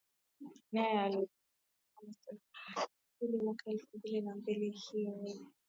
Nape alijipanga na kusoma stashahada ya pili mwaka elfu mbili na mbili hii ni